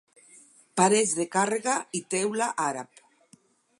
Parets de càrrega i teula àrab.